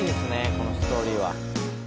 このストーリーは。